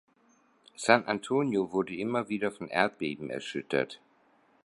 San Antonio wurde immer wieder von Erdbeben erschüttert.